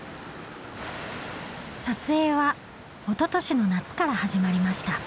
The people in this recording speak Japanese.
撮影はおととしの夏から始まりました。